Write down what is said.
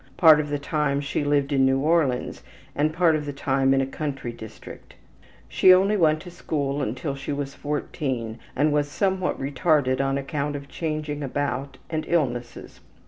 Part of the time she lived in New Orleans, and part of the time in a country district. She only went to school until she was 14, and was somewhat retarded on account of changing about and illnesses.